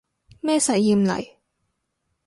咩實驗嚟